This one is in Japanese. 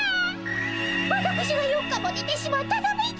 わたくしが４日もねてしまったために。